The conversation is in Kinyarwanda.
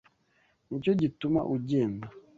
Nicyo gituma ugenda?